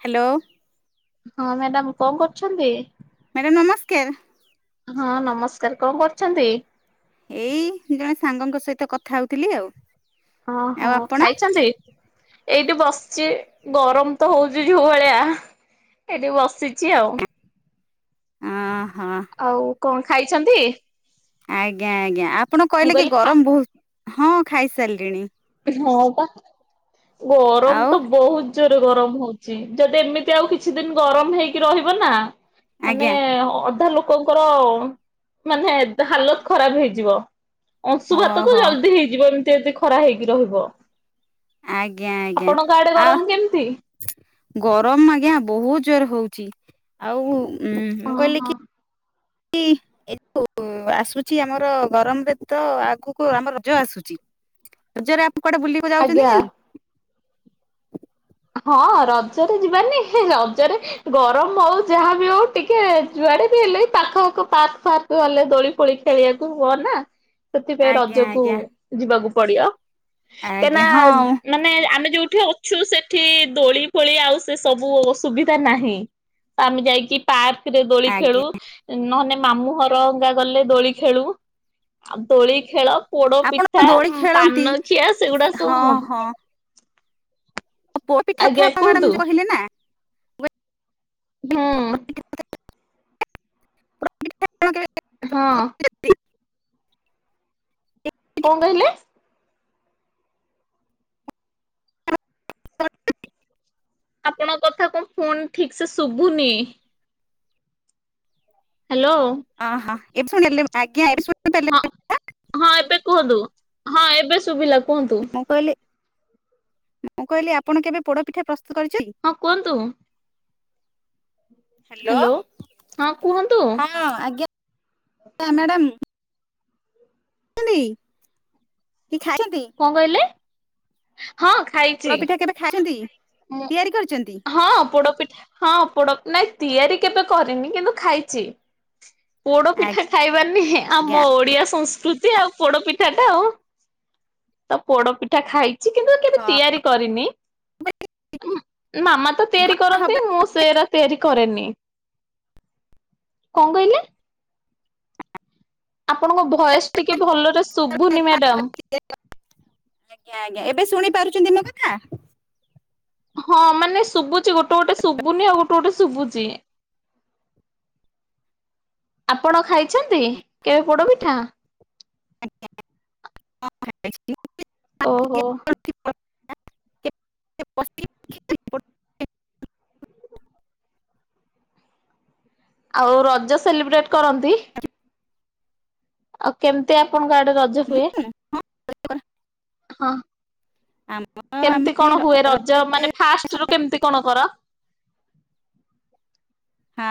Hello, ହଁ, madam କଣ କରୁଛନ୍ତି? ମ୍ୟାଡ଼ାମ, ନମସ୍କାର। ହଁ, ନମସ୍କାର କଣ କରୁଛନ୍ତି? ଏଇ, ଜଣେ ସାଙ୍ଗଙ୍କ ସହିତ କଥା ହଉଥିଲି, ଆଉ। ହଁ, ଆଉ ହଁ ଆପଣ ଖାଇଛନ୍ତି। ଏଇଠି ବସିଛି, ଗରମ ତ ହଉଛି, ଯୋଉ ଭଳିଆ ଏଇଠି ବସିଛି, ଆଉ। ହଁ [inaudible] ଆଉ କଣ ଖାଇଛନ୍ତି? ଆଗ ଆଜ୍ଞା, ଆଜ୍ଞା ଆପଣ ମୁଁ କହିଲେ, କି କହିଲି ଖା ଗରମ ବହୁତ। ହଁ, ଖାଇ ସାରିଲିଣି। ହଁ, ପା ଗରମ ଆଉ ତ ବହୁତ ଭାରି ଜୋର ଗରମ ହଉଚି ଯଦି ଏମିତି ଆଉ କିଛି ଦିନ ଗରମ ହେଇକି ରହିବ ନା ମାନେ ଆଜ୍ଞା ଅଧା ଲୋକ ଲୋକଙ୍କର ମାନେ ଏବେ ହାଲତ ଖରାପ ହେଇଯିବ। ଅଂଶୁଭାତ ତ ଓହୋ ଜଲଦି ହେଇଯିବନି। ସେତେ ଖରା ହେଇକି ରହିବ। ଆଜ୍ଞା ଆଜ୍ଞା ଆପଣଙ୍କ ଆଡେ ଗରମ ଆଉ କେମିତି? ଗରମ ଆଜ୍ଞା ବହୁତ ଜୋର ହଉଛି। ଜି ଆଉ ହୁଁ ମୁଁ କହିଲି ଓହୋ କି ଏ ଯୋ ଆସୁଛି ଆମର ଗରମରେ ତ ଆଗକୁ ଆମ ରଜ ଆସୁଛି ରଜରେ କୁଆଡେ ବୁଲକୁ ଯାଉଛନ୍ତି ଆଜ୍ଞା। କି? ହଁ ରଜରେ ଯିବାନି ରଜରେ ଗରମ ହଉ ଯାହାବି ହଉ ଟିକେ ଯୁଆଡେ ବି ହେଲେ ପାଖ ଆଖ ପାର୍କ ଫାର୍କ ଗଲେ ଦୋଳି ଫୋଳି ଖେଳିବାକୁ ହବ ନା। ସେଥିପାଇଁ ଆଜ୍ଞା ରଜକୁ ଆଜ୍ଞା ଯିବାକୁ ପଡିଆ କାହିଁକିନା ଆଜ୍ଞା ହଁ ମାନେ ଆମେ ଯୋଉ ଏଇଠି ଅଛୁ ସେ ଏଠି ଦୋଳି ଫୋଳି ଆଉ ସେ ସବୁ ସୁବିଧା ନାହିଁ ଆମେ ଯାଇକି ପାର୍କ ଦୋଳି ଖେଳୁ ଆଜ୍ଞା ନହେନେ ମାମୁଁ ଘରଙ୍କୁ ଗଲେ ଦୋଳି ଖେଳୁ ଆଉ ଦୋଳି ଖେଳ ପୋଡ ପିଠା ଆପଣ ଦୋଳି ଖେଳନ୍ତି ପାନଖିଆ ସେଗୁଡା ହଁ ସବୁ ମ ପୋଡ ପିଠା କୁହନ୍ତୁ। ମ୍ୟାଡାମ କହିଲେ ନା ହୁଁ। ହଁ। କଣ କହିଲେ? ଆପଣଙ୍କ କଥା କଣ ଫୋନ୍ ଠିକ ସେ ଶୁଭୁନି। ହ୍ୟାଲୋ ହଁ ହଁ ଏଇ ଫୁଣିଲେ ହଁ ହଁ ଏବେ କୁହନ୍ତୁ ହଁ ଏବେ ଶୁଭିଲା କୁହନ୍ତୁ। ମୁଁ କହିଲି ମୁଁ କହିଲି ଆପଣ କେବେ ପୋଡ ପିଠା ପ୍ରସ୍ତୁତ କରିଛନ୍ତି? ହଁ କୁହନ୍ତୁ ହ୍ୟାଲୋ ହାଲୋ ହଁ କୁହନ୍ତୁ। ହଁ ଆଜ୍ଞା ମ୍ୟାଡ଼ାମ [unintelligible] ନ୍ତି। କଣ ଖାଇଛନ୍ତି? କଣ କହିଲେ ହଁ ଖାଇଛି। ପୋଳ ପିଠା କେବେ ଖାଇଛନ୍ତି ମୁଁ ତିଆରି କରିଛନ୍ତି? ହଁ ପୋଡପିଠା ହଁ ପୋଡ ନା ତିଆରି କେବେ କରିନି କିନ୍ତୁ ଖାଇଛି ପୋଡ ପିଠା ଖାଇବାନି ଆଜ୍ଞା ଆମ ଓଡିଆ ସଂସ୍ୃ ସ୍ୃତି ଆଉ ପୋଡପିଠା ଟା ଆଉ ତ ପୋଡପିଠା ଖାଇକି ଚିକେ କେବେ ତିଆରି କରିନି ହ ମାମା ତ ତିଆରି କରନ୍ତି ମୁଁ ସେରା ତିଆରି କରେନି କଣ କହିଲେ ଆପଣଙ୍କ ବୟସ ଟିକେ ଭଲ ଆଜ୍ଞା ଆଜ୍ଞା ଏବେ ଶୁଣି ପାରୁଛନ୍ତି ମୋ କଥା [unintelligible] ହଁ ମାନେ ଶୁଭୁଛି ଗୋଟେ ଗୋଟେ ଶୁଭୁନି ଆଉ ଗୋଟେ ଗୋଟେ ଶୁଭୁଛି [inaudible] ଆପଣ ଖାଇଛନ୍ତି କେବେ ପୋଡ ପିଠା। ଆଜ୍ଞା [unintelligible] ଓହୋ [unintelligible] ଆଉ ରଜ ସେଲିବ୍ରେଟ କରନ୍ତି। ଆଉ କେମିତି ଆପଣଙ୍କ ଆଡେ ଗୋଟେ ରଜ ହୁଏ। ହଁ। ଆମ ଆମେ କେମିତି କଣ ହୁଏ ରଜ ମାନେ ଫାଷ୍ଟ ରୁ କେମିତି କଣ କର?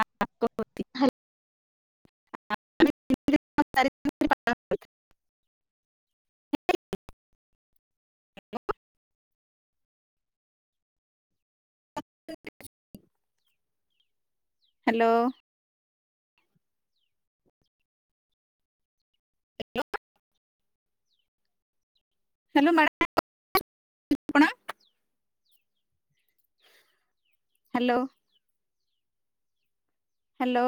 [unintelligible] [unintelligible] [unintelligible] [unintelligible] Hello hello. ହ୍ୟାଲୋ ମାଡାମ ଆପଣ [unintelligible] ହ୍ୟାଲୋ। ହ୍ୟାଲୋ।